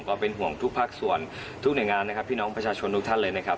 ก็เป็นห่วงทุกภาคส่วนทุกหน่วยงานนะครับพี่น้องประชาชนทุกท่านเลยนะครับ